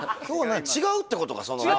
今日違うってことか！